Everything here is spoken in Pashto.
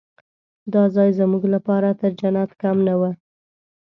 دا ځای زموږ لپاره تر جنت کم نه و.